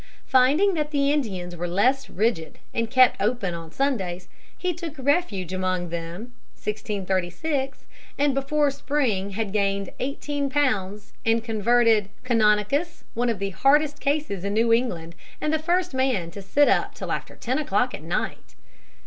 Finding that the Indians were less rigid and kept open on Sundays, he took refuge among them (1636), and before spring had gained eighteen pounds and converted Canonicus, one of the hardest cases in New England and the first man to sit up till after ten o'clock at night.